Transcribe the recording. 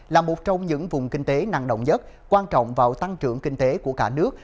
là một trong những vùng kinh tế năng động nhất quan trọng vào tăng trưởng kinh tế của cả nước